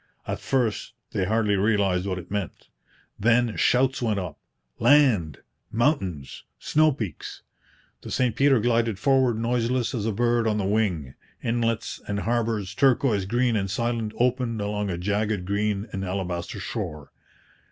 At first they hardly realized what it meant. Then shouts went up 'Land!' 'Mountains!' 'Snow peaks!' The St Peter glided forward noiseless as a bird on the wing. Inlets and harbours, turquoise green and silent, opened along a jagged, green and alabaster shore.